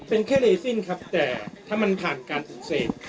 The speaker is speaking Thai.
เป็นแค่เลซินครับแต่ถ้ามันผ่านการปฏิเสธ